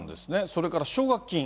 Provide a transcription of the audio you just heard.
それから奨学金。